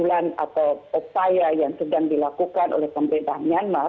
dan menurut saya itu adalah proses yang terjadi dengan usulan yang terjadi oleh pemerintah myanmar